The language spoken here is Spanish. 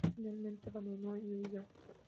Finalmente abandonó y huyó.